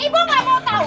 ibu nggak mau tahu